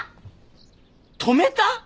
止めた？